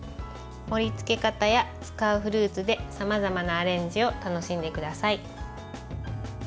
盛りつけ方や使うフルーツでさまざまなアレンジを楽しんでください。